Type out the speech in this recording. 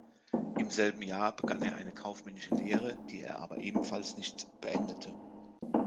Im selben Jahr begann er eine kaufmännische Lehre, die er aber ebenfalls nicht beendete.